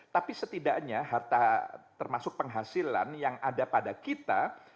tapi setidaknya harta termasuk penghasilan yang ada pada kita